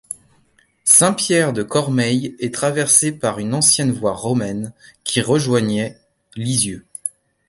Saint-Pierre-de-Cormeilles est traversée par une ancienne voie romaine qui rejoignait Lisieux.